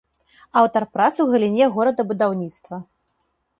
Аўтар прац у галіне горадабудаўніцтва.